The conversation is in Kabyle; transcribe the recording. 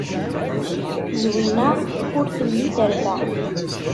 Zwina ur telli terfa.